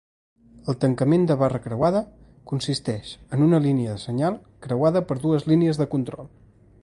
El tancament de barra creuada consisteix en una línia de senyal creuada per dues línies de control.